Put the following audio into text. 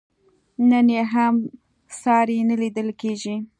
نن یې هم ساری نه لیدل کېږي.